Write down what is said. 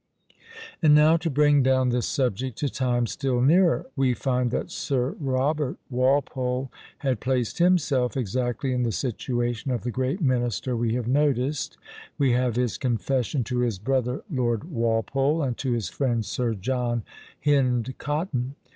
And now to bring down this subject to times still nearer. We find that Sir Robert Walpole had placed himself exactly in the situation of the great minister we have noticed; we have his confession to his brother Lord Walpole, and to his friend Sir John Hynde Cotton.